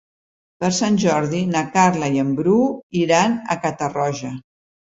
Per Sant Jordi na Carla i en Bru iran a Catarroja.